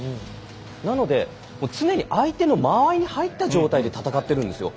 なので常に相手の間合いに入った状態で戦っているんですよ。